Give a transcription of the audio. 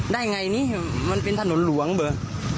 ได้ยังไงนี้มันเป็นถนนหลวงเบอร์